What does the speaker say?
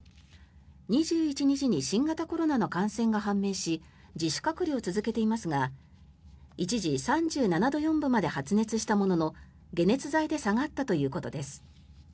２１日に新型コロナの感染が判明し自主隔離を続けていますが一時、３７度４分まで発熱したものの解熱剤で下がったということです。